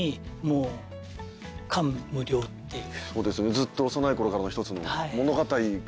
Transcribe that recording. ずっと幼いころからの一つの物語が。